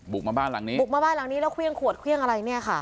บุกมาบ้านหลังนี้บุกมาบ้านหลังนี้แล้วเครื่องขวดเครื่องอะไรเนี่ยค่ะ